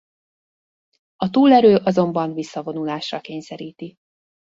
A túlerő azonban visszavonulásra kényszeríti.